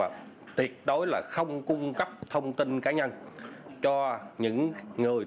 đề nghị bệnh nhân không cung cấp hộ sơ bệnh án cá nhân cho người lạ